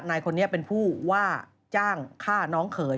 นายคนนี้เป็นผู้ว่าจ้างฆ่าน้องเขย